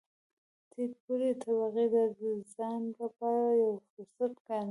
ټیټ پوړې طبقې دا د ځان لپاره یو فرصت ګاڼه.